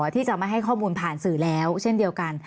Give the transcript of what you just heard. ที่จะไม่ให้ข้อมูลผ่านสื่อแล้วเช่นเดียวกัน